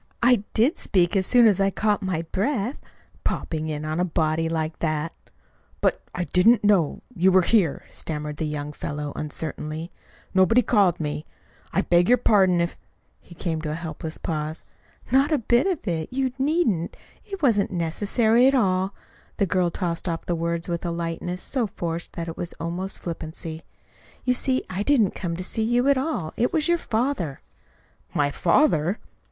"I did speak as soon as I caught my breath; popping in on a body like that!" "But I didn't know you were here," stammered the young fellow uncertainly. "Nobody called me. I beg your pardon if " He came to a helpless pause. "Not a bit of it! You needn't. It wasn't necessary at all." The girl tossed off the words with a lightness so forced that it was almost flippancy. "You see, I didn't come to see you at all. It was your father." "My father!"